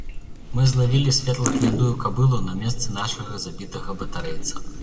Мы злавілі светла-гнядую кабылу на месца нашага забітага батарэйца.